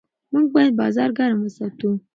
موږ باید بازار ګرم وساتو.